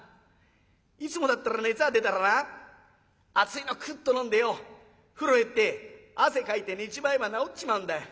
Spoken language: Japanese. いつもだったら熱が出たらな熱いのくっと飲んでよ風呂入って汗かいて寝ちまえば治っちまうんだ。